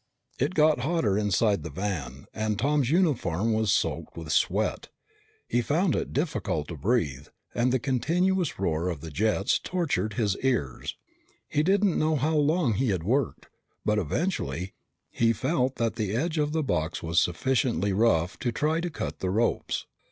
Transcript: It got hotter inside the van and Tom's uniform was soaked with sweat. He found it difficult to breathe and the continuous roar of the jets tortured his ears. He did not know how long he had worked, but eventually, he felt that the edge of the box was sufficiently rough to try to cut the ropes.